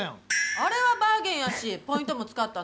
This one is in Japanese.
あれはバーゲンやし、ポイントも使ったの。